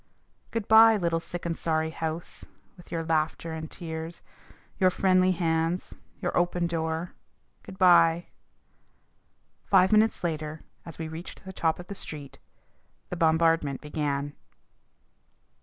Good bye, little "sick and sorry" house, with your laughter and tears, your friendly hands, your open door! Good bye! Five minutes later, as we reached the top of the Street, the bombardment began.